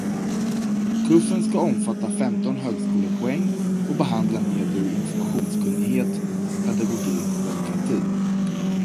Kursen ska omfatta femton högskolepoäng och behandla medie- och informationskunnighet, pedagogik och demokrati.